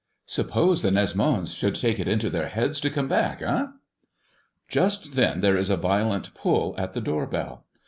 "Suppose the Nesmonds should take it into their heads to come back, eh?" Just then there is a violent pull at the door bell.